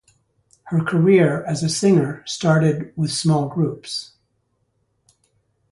Her career as a singer started with small groups.